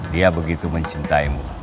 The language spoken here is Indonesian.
dia begitu mencintaimu